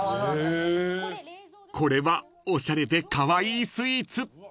［これはおしゃれでカワイイスイーツ］